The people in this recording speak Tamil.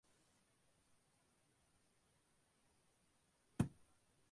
நான் வடக்கே லடாக் பகுதியிலே இருந்தவரைக்கும் ஒரு சீனன் மூச்சுக் காட்ட வேணுமே!...